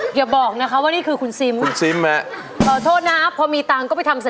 อย่าบอกนะคะว่านี่คือคุณซิม